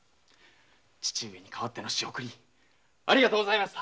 父上に代わっての仕送りありがとうございました！